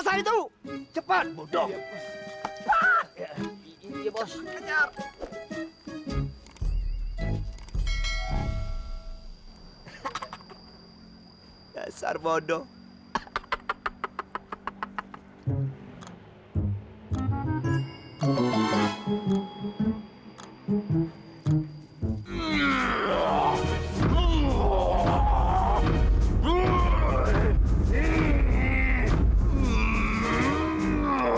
sampai jumpa di video selanjutnya